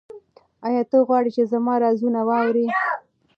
ایا ته غواړې چې زما رازونه واورې؟